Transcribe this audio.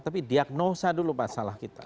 tapi diagnosa dulu masalah kita